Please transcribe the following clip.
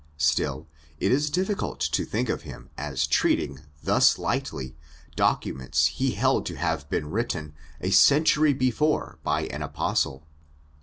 Still, it is difficult to think of him as treating thus lightly documents he held to have been written a century before by an Apostle.